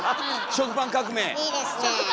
食パン革命！